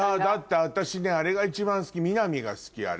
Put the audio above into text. だって私あれが一番好き。